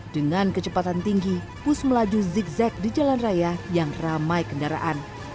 dengan kecepatan tinggi bus melaju zigzag di jalan raya yang ramai kendaraan